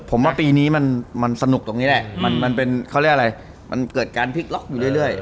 ผมว่าปีนี้มันสนุกตรงนี้แหละมันเป็นเขาเรียกอะไรมันเกิดการพลิกล็อกอยู่เรื่อย